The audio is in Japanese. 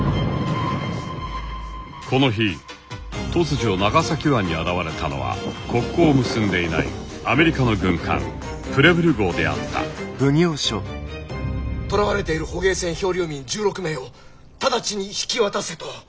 この日突如長崎湾に現れたのは国交を結んでいないアメリカの軍艦プレブル号であったとらわれている捕鯨船漂流民１６名を直ちに引き渡せと。